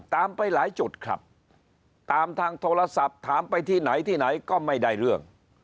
ตามไปหลายจุดครับตามทางโทรศัพท์ถามไปที่ไหนที่ไหนก็ไม่ได้เรื่อง